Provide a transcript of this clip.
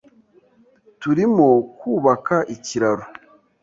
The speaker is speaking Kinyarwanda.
Turimo kubaka ikiraro.